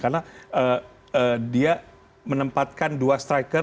karena dia menempatkan dua striker